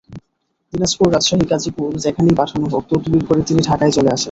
দিনাজপুর, রাজশাহী, গাজীপুর—যেখানেই পাঠানো হোক, তদবির করে তিনি ঢাকায় চলে আসেন।